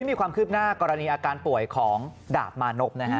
มีความคืบหน้ากรณีอาการป่วยของดาบมานพนะฮะ